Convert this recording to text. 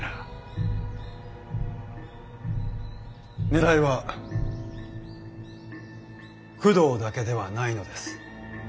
狙いは工藤だけではないのです。